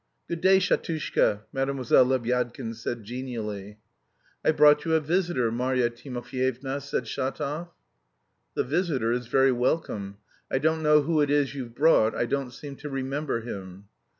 "Good day, Shatushka!" Mlle. Lebyadkin said genially. "I've brought you a visitor, Marya Timofyevna," said Shatov. "The visitor is very welcome. I don't know who it is you've brought, I don't seem to remember him."